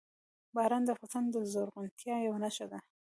باران د افغانستان د زرغونتیا یوه نښه ده.